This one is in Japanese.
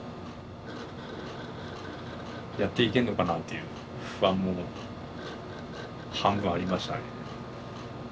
やっていけんのかなという不安も半分ありましたね。